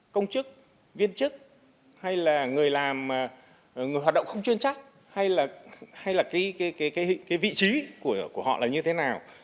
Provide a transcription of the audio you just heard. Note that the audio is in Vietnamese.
công chức viên chức hay là người làm người hoạt động không chuyên trách hay là cái vị trí của họ là như thế nào